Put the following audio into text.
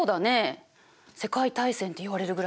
世界大戦っていわれるぐらいだからね。